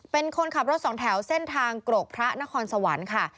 เป็นคนขับรถสองแถวเส้นทางกรกพระนครสวรรค์ค่ะ